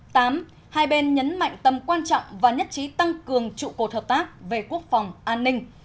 tám hai bên nhấn mạnh tầm quan trọng và nhất trí tăng cường trụ cột hợp tác về quốc phòng an ninh